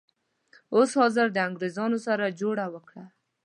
اوس حاضر د انګریزانو سره جوړه وکړه.